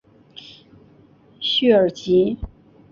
叙尔吉。